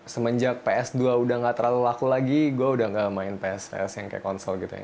semenjak ps dua udah nggak terlalu laku lagi gue udah nggak main ps dua yang kayak konsol gitu ya